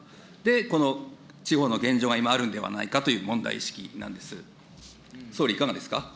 この地方の現状が今あるんではないかという問題意識なんです。